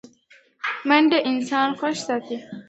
منډه انسان خوښ ساتي